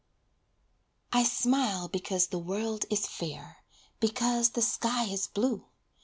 I smile because the world is fair; Because the sky is blue.